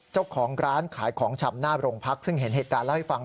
เจ้าของร้านขายของชำหน้าโรงพักซึ่งเห็นเหตุการณ์เล่าให้ฟัง